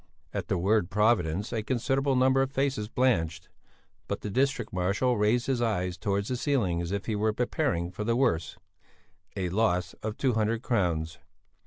At the word Providence a considerable number of faces blanched, but the district marshal raised his eyes towards the ceiling as if he were prepared for the worst (a loss of two hundred crowns).